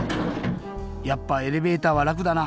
やっぱエレベーターはらくだな。